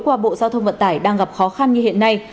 qua bộ giao thông vận tải đang gặp khó khăn như hiện nay